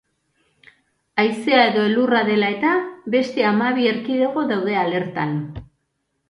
Haizea edo elurra dela eta beste hamabi erkidego daude alertan.